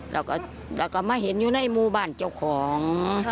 แล้วก็ไม่เห็นอยู่ในมุมบ้านเจ้าของ